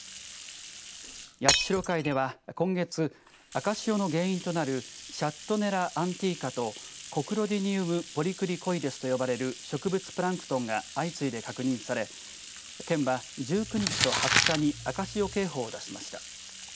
八代海では今月赤潮の原因となるシャットネラアンティーカとコクロディニウム・ポリクリコイデスと呼ばれる植物プランクトンが相次いで確認され県は、１９日と２０日に赤潮警報を出しました。